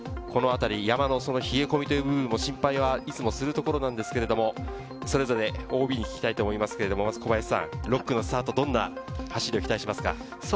この辺り、山の冷え込みという部分も心配はいつもするところですが、それぞれＯＢに聞きたいと思いますけど、小林さん６区のスタート、どんな走りを期待しますか？